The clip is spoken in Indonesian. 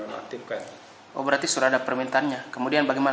ya kalau gajian kan berarti beliau ini sudah tidak pernah masuk kantor selama diinolasi kan